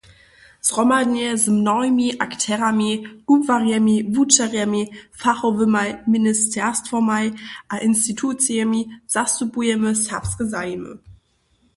Zhromadnje z mnohimi akterami, kubłarjemi, wučerjemi, fachowymaj ministerstwomaj a institucijemi zastupujemy serbske zajimy.